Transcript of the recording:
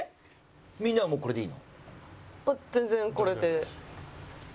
みんなはこれでいいの？